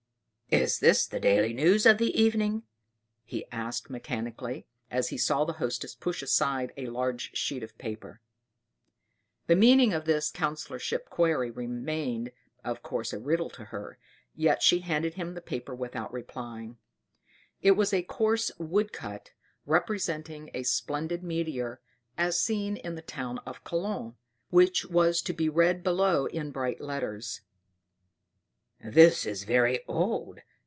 "Is this the Daily News of this evening?" he asked mechanically, as he saw the Hostess push aside a large sheet of paper. The meaning of this councillorship query remained, of course, a riddle to her, yet she handed him the paper without replying. It was a coarse wood cut, representing a splendid meteor "as seen in the town of Cologne," which was to be read below in bright letters. "That is very old!"